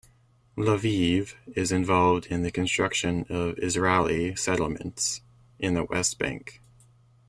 Leviev is involved in the construction of Israeli settlements in the West Bank.